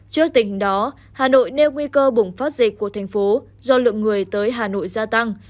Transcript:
trước tình hình đó hà nội nêu nguy cơ bùng phát dịch của thành phố do lượng người tới hà nội gia tăng